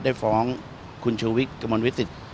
ได้ฟ้องคุณชวิกกำมนวิสิทธิ์